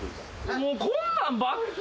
もうこんなんばっか。